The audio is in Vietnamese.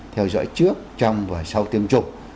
theo dõi trước trong và sau tiêm chủng